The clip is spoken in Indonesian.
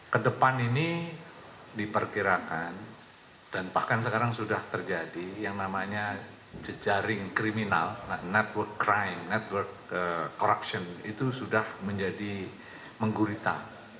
kedepan ini diperkirakan dan bahkan sekarang sudah terjadi yang namanya jejaring kriminal network crime network corruption itu sudah menjadi menggurita